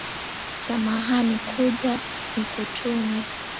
Samahani kuja nikutume